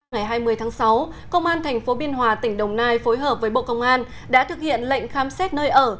ngày hai mươi tháng sáu công an tp biên hòa tỉnh đồng nai phối hợp với bộ công an đã thực hiện lệnh khám xét nơi ở